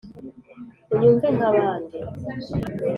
Unyumve nk'abandi